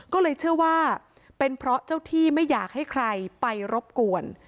ก็เลยเชื่อว่าเป็นเพราะเจ้าที่ไม่อยากให้ใครไปรบกวน